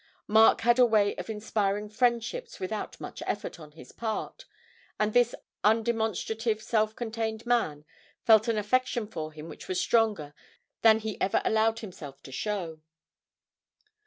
Mark had a way of inspiring friendships without much effort on his part, and this undemonstrative, self contained man felt an affection for him which was stronger than he ever allowed himself to show.